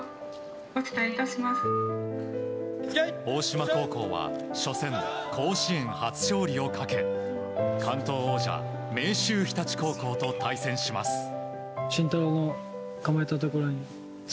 大島高校は、初戦甲子園初勝利をかけ関東王者・明秀日立高校と対戦します。